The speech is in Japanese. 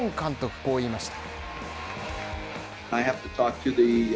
こう言いました。